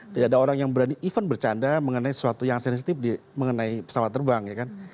tidak ada orang yang berani even bercanda mengenai sesuatu yang sensitif mengenai pesawat terbang ya kan